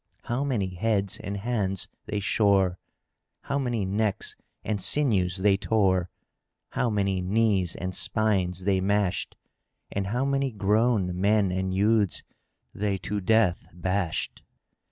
How many heads and hands they shore, how many necks and sinews they tore, how many knees and spines they mashed and how many grown men and youths they to death bashed!